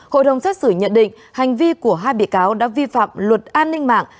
hội đồng xét xử nhận định hành vi của hai bị cáo đã vi phạm luật an ninh mạng